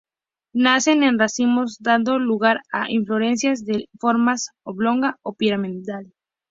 Nacen en racimos, dando lugar a inflorescencias de forma oblonga o piramidal.